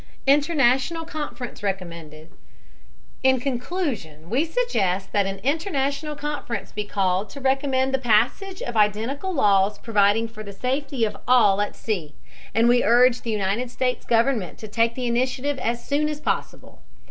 INTERNATIONAL CONFERENCE RECOMMENDED "In conclusion we suggest that an international conference be called to recommend the passage of identical laws providing for the safety of all at sea, and we urge the United States Government to take the initiative as soon as possible."